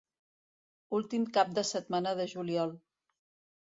Últim cap de setmana de juliol.